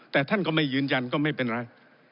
แต่ท่านก็ไม่ยืนยันก็ไม่เป็นไร